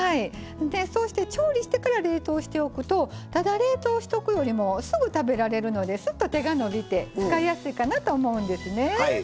そうして調理してから冷凍しておくとただ冷凍しとくよりもすぐ食べられるのですっと手が伸びて使いやすいかなと思うんですね。